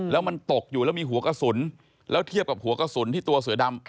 แล้วมันตกอยู่แล้วมีหัวกระสุนแล้วเทียบกับหัวกระสุนที่ตัวเสือดำ